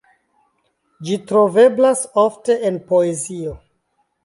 Ĝi troveblas ofte en poezio.